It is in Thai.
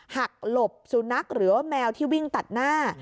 หลบสุนัขหรือว่าแมวที่วิ่งตัดหน้า